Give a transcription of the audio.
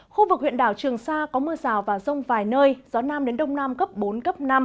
khu vực huyện đảo trường sa có mưa rào và rông vài nơi gió nam đến đông nam cấp bốn cấp năm